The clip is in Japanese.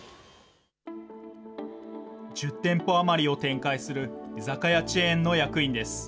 １０店舗余りを展開する居酒屋チェーンの役員です。